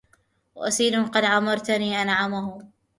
وسيد قد عمرتني أنعمه